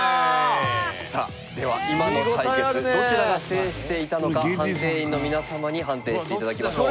さあでは今の対決どちらが制していたのか判定員の皆様に判定して頂きましょう。